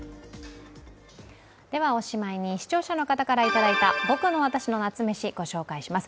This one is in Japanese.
ではおしまいに視聴者の方からいただいた「ぼくのわたしの夏メシ」、ご紹介します。